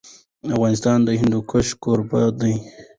افغانستان د هندوکش کوربه دی.